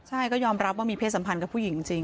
ใช่ก็ยอมรับว่ามีเพศสัมพันธ์กับผู้หญิงจริง